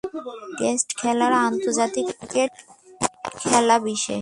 Test খেলা আন্তর্জাতিক cricket খেলাবিশেষ।